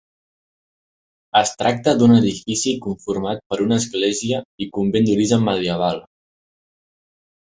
Es tracta d'un edifici conformat per una església i convent d'origen medieval.